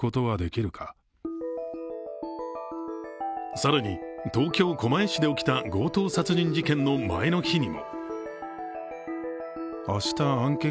更に、東京・狛江市で起きた強盗殺人事件の前の日にも。